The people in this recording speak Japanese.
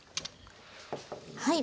はい。